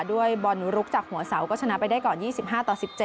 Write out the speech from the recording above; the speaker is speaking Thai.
ด้วยบอลลุกจากหัวเสาก็ชนะไปได้ก่อน๒๕ต่อ๑๗